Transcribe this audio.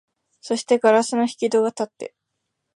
そして硝子の開き戸がたって、